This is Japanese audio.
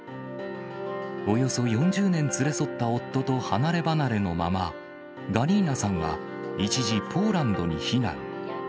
およそ４０年連れ添った夫と離れ離れのまま、ガリーナさんは、一時ポーランドに避難。